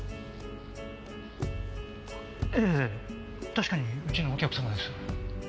えぇ確かにうちのお客様です。